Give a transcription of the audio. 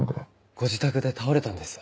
ご自宅で倒れたんです。